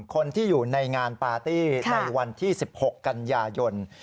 คนที่อยู่ในงานปาร์ตี้ในวันที่๑๖กันยายน